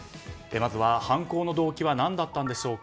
まずは犯行の動機は何だったのでしょうか。